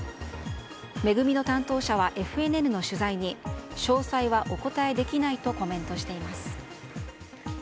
恵の担当者はＦＮＮの取材に詳細はお答えできないとコメントしています。